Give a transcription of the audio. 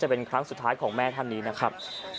เป็นครั้งสุดท้ายของแม่ท่านนี้นะครับ